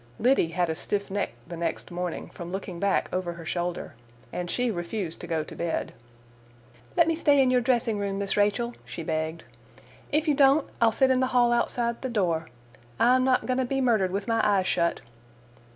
Liddy had a stiff neck the next morning, from looking back over her shoulder, and she refused to go to bed. "Let me stay in your dressing room, Miss Rachel," she begged. "If you don't, I'll sit in the hall outside the door. I'm not going to be murdered with my eyes shut."